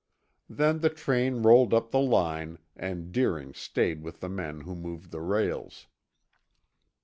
Then the train rolled up the line and Deering stayed with the men who moved the rails.